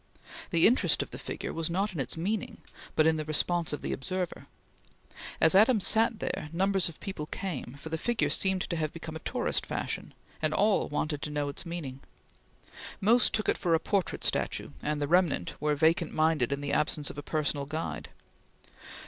The interest of the figure was not in its meaning, but in the response of the observer. As Adams sat there, numbers of people came, for the figure seemed to have become a tourist fashion, and all wanted to know its meaning. Most took it for a portrait statue, and the remnant were vacant minded in the absence of a personal guide.